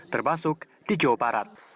termasuk di jawa barat